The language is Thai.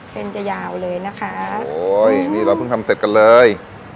เป็นจะยาวเลยนะคะโอ้ยนี่เราเพิ่งทำเสร็จกันเลย